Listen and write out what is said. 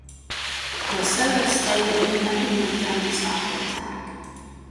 Lasota stated that "nothing was done to stop the attack".